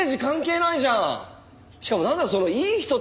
しかもなんだよその「いい人」って。